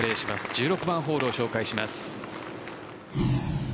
１６番ホールを紹介します。